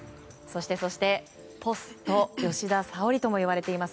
そしてポスト吉田沙保里ともいわれています